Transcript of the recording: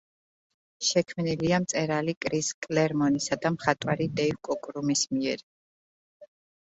შექმნილია მწერალი კრის კლერმონისა და მხატვარი დეივ კოკრუმის მიერ.